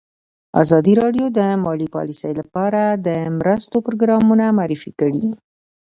ازادي راډیو د مالي پالیسي لپاره د مرستو پروګرامونه معرفي کړي.